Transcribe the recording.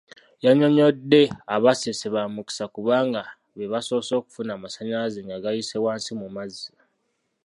Yannyonnyodde aba Ssese bamukisa kubanga be basoose okufuna amasannyalaze nga gayise wansi mu mazzi.